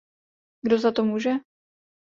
Kdo za to může?